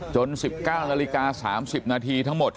๑๙นาฬิกา๓๐นาทีทั้งหมด